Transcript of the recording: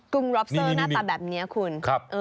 ุ้งรอบเซอร์หน้าตาแบบนี้คุณ